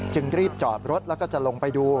รีบจอดรถแล้วก็จะลงไปดู